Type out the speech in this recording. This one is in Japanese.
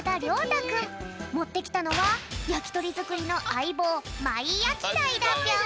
もってきたのはやきとりづくりのあいぼう「マイやきだい」だぴょん。